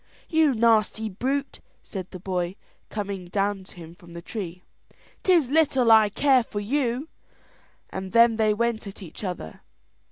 "You nasty brute," said the cowboy, coming down to him from the tree, "'tis little I care for you;" and then they went at each other.